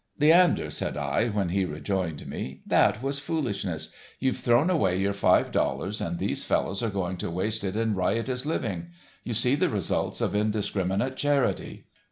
"Leander," said I, when he rejoined me, "that was foolishness, you've thrown away your five dollars and these fellows are going to waste it in riotous living. You see the results of indiscriminate charity."